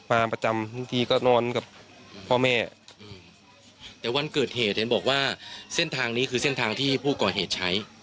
มาประจำบางทีก็นอนกับพ่อแม่แต่วันเกิดเหตุเห็นบอกว่าเส้นทางนี้คือเส้นทางที่ผู้ก่อเหตุใช้